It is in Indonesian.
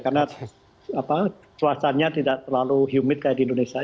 karena suasananya tidak terlalu humid kayak di indonesia